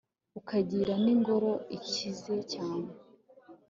ukagira n'ingoro ikize cyane